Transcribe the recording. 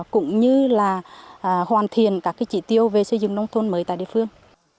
cũng như là hoàn thiện các chỉ tiêu về xây dựng nông thôn mới tại địa phương